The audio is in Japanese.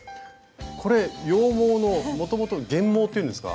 これ羊毛のもともと原毛っていうんですか？